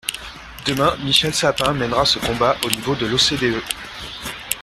Demain, Michel Sapin mènera ce combat au niveau de l’OCDE.